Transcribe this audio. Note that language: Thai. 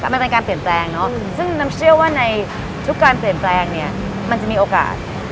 มันเป็นการเปลี่ยนแปลงเนาะซึ่งน้ำเชื่อว่าในทุกการเปลี่ยนแปลงเนี่ยมันจะมีโอกาส